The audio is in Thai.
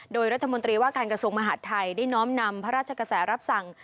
โดยรัฐมนตรีว่าการกระทรวงมหาดไทยได้น้อมนำพระราชกระแสรับสั่ง